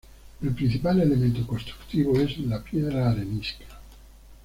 El principal elemento constructivo es la piedra arenisca.